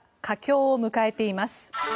佳境を迎えています。